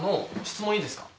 質問いいですか？